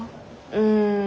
うん。